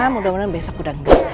mudah mudahan besok udahnder